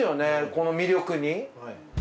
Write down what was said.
この魅力に。